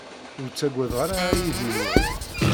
Ur ttaggadeɣ ara aydi-nwent.